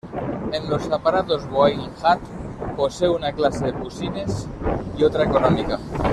En los aparatos Boeing Jat posee una clase business y otra económica.